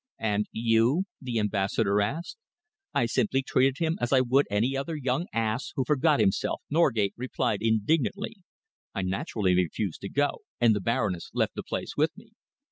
"And you?" the Ambassador asked. "I simply treated him as I would any other young ass who forgot himself," Norgate replied indignantly. "I naturally refused to go, and the Baroness left the place with me."